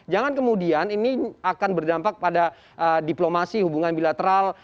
jangan kemudian ini akan berdampak pada diplomasi hubungan bilateral